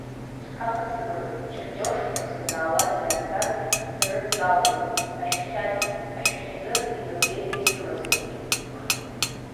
Аха сымаӡам, чертиожқәак санаауаз иаазган снарыдтәалароуп, ашәахьазын имазеины исымазароуп.